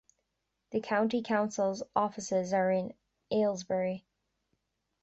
The county council's offices are in Aylesbury.